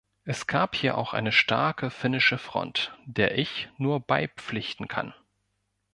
Es gab hier auch eine starke finnische Front, der ich nur beipflichten kann.